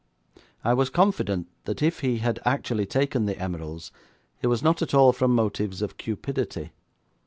I was confident that if he had actually taken the emeralds it was not at all from motives of cupidity.